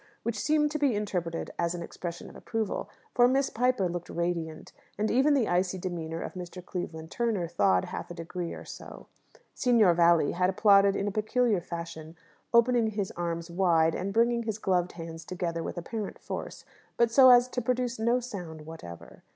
which seemed to be interpreted as an expression of approval; for Miss Piper looked radiant, and even the icy demeanour of Mr. Cleveland Turner thawed half a degree or so. Signor Valli had applauded in a peculiar fashion opening his arms wide, and bringing his gloved hands together with apparent force, but so as to produce no sound whatever.